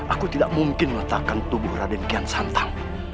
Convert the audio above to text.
aku tidak mungkin meletakkan tubuh raden kian santang